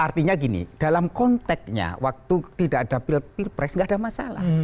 artinya gini dalam konteksnya waktu tidak ada pilpres nggak ada masalah